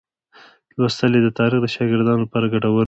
لوستل یې د تاریخ د شاګردانو لپاره ګټور دي.